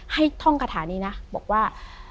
ท่องคาถานี้นะบอกว่า